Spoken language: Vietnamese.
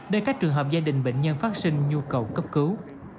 để các trường hợp gia đình bệnh nhân phát sinh nhu cầu cấp cứu